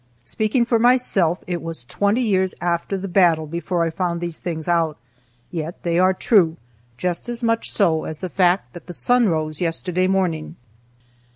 Speaking for myself, it was twenty years after the battle before I found these things out, yet they are true, just as much so as the fact that the sun rose yesterday morning.